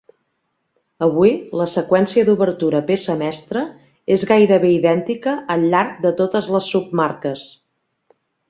Avui, la seqüència d'obertura "Peça mestra" és gairebé idèntica al llarg de totes les submarques.